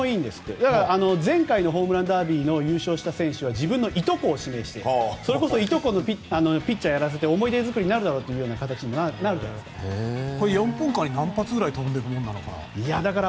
だから前回のホームランダービーの優勝した選手は自分のいとこを指名していとこにピッチャーやらせて思い出作りになるだろうって４分間に何発ぐらい飛んでるものなのかな。